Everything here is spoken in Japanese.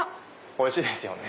おいしいですよね？